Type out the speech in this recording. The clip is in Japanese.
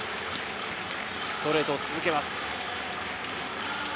ストレートを続けます。